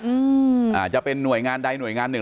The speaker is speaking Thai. อืมอ่าจะเป็นหน่วยงานใดหน่วยงานหนึ่ง